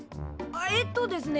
えっとですね。